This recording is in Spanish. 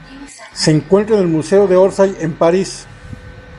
Se encuentra en el Museo de Orsay en París.